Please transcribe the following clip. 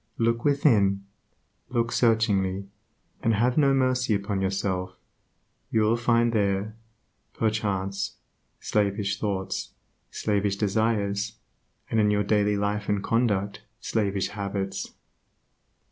Look within; look searchingly, and have no mercy upon yourself. You will find there, perchance, slavish thoughts, slavish desires, and in your daily life and conduct slavish habits.